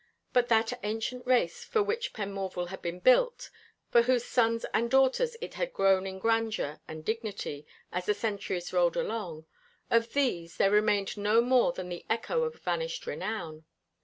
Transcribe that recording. But that ancient race for which Penmorval had been built, for whose sons and daughters it had grown in grandeur and dignity as the centuries rolled along of these there remained no more than the echo of a vanished renown.